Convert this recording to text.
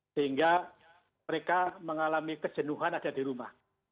sehingga mereka mengalami kejenuhan ada di rumah